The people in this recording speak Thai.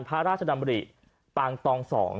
พระราชดำริปางตอง๒